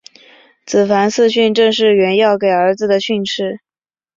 了凡四训正是袁要给儿子的训示。